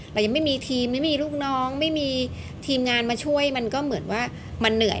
เรายังไม่มีทีมไม่มีลูกน้องไม่มีทีมงานมาช่วยมันก็เหมือนว่ามันเหนื่อย